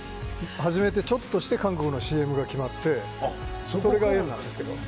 始めてちょっとして韓国のＣＭが決まってそれが縁なんですけど。